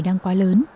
đang quá lớn